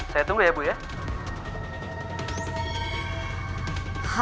saya tunggu ya bu ya